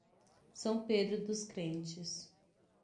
São Pedro dos Crentes